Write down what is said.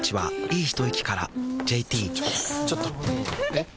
えっ⁉